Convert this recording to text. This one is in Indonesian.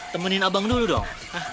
temenin abang dulu dong